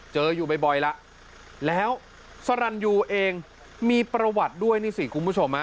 อยู่บ่อยแล้วแล้วสรรยูเองมีประวัติด้วยนี่สิคุณผู้ชม